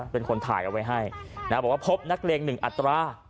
เป็นคนถ่ายเอาไว้ให้บอกว่าพบนักเลงหนึ่งอัตรา